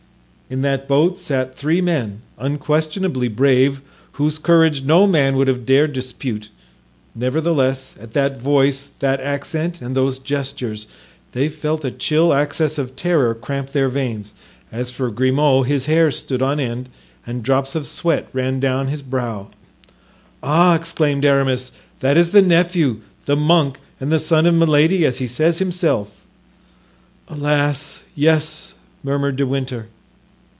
In that boat sat three men, unquestionably brave, whose courage no man would have dared dispute; nevertheless, at that voice, that accent and those gestures, they felt a chill access of terror cramp their veins. As for Grimaud, his hair stood on end and drops of sweat ran down his brow. "Ah!" exclaimed Aramis, "that is the nephew, the monk, and the son of Milady, as he says himself." "Alas, yes," murmured De Winter.